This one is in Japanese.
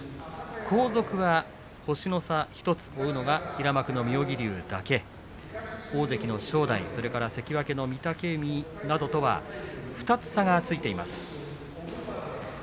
後続は星の差１つで追うのが平幕の妙義龍だけ大関の正代、それから関脇の御嶽海などとは２つ差がついています。